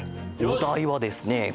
おだいはですね